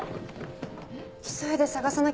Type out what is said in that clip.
急いで捜さなきゃ。